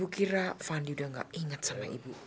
karena pandi udah nggak inget sama ibu